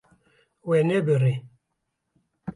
We nebirî.